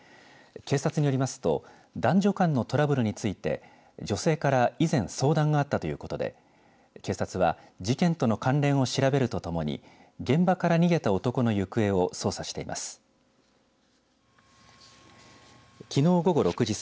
警察によりますと男女間のトラブルについて女性から以前相談があったということで警察は事件との関連を調べるとともに現場から逃げた男の行方を捜査しています。